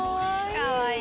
かわいい。